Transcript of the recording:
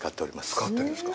使ってるんですか？